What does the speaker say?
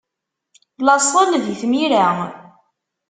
Laṣel di tmira.